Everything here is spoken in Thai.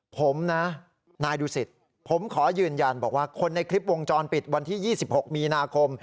ผมนะนายดูสิตผมขอยืนยันบอกว่าคนในคลิปวงจรปิดวันที่๒๖มีนาคม